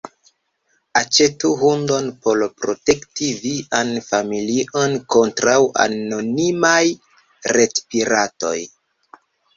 Aĉetu hundon por protekti vian familion kontraŭ anonimaj retpiratoj.